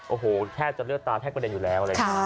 โอ้โหแค่จะเลือดตาแทกกระเด็นอยู่แล้ว